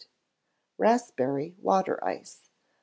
Raspberry Water Ice.